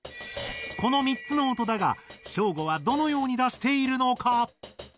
この３つの音だがＳＨＯＷ−ＧＯはどのように出しているのか？